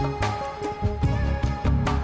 aku mau ke rumah kang bahar